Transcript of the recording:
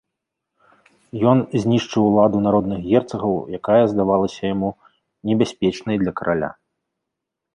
Ён знішчыў уладу народных герцагаў, якая здавалася яму небяспечнай для караля.